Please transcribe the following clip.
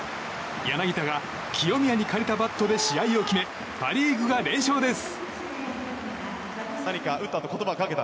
柳田が清宮に借りたバットで試合を決めパ・リーグが連勝です。